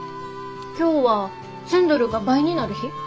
今日は１，０００ドルが倍になる日？